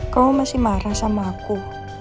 kamu masih marah sama aku